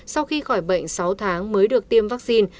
sau khi khỏi bệnh sáu tháng mới được tiêm vắc xin